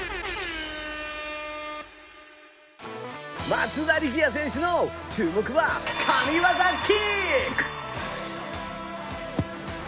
松田力也選手の注目は神ワザキック。